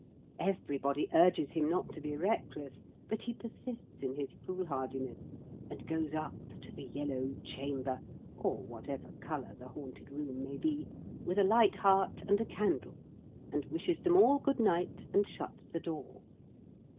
Everybody urges him not to be reckless, but he persists in his foolhardiness, and goes up to the Yellow Chamber (or whatever colour the haunted room may be) with a light heart and a candle, and wishes them all good night, and shuts the door.